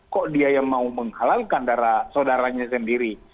kok dia yang mau menghalalkan darah saudaranya sendiri